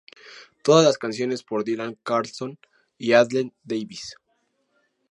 Todas las canciones por Dylan Carlson y Adrienne Davies.